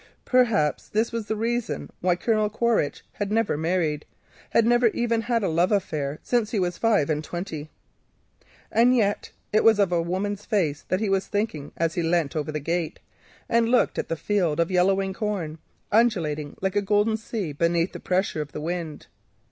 Perhaps this was the reason why Colonel Quaritch had never married, had never even had a love affair since he was five and twenty. And yet it was of a woman that he was thinking as he leant over the gate, and looked at the field of yellowing corn, undulating like a golden sea beneath the pressure of the wind.